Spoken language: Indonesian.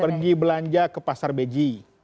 pergi belanja ke pasar beji